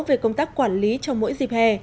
về công tác quản lý trong mỗi dịp hè